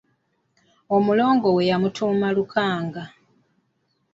Omulongo we yamutuuma Lukanga.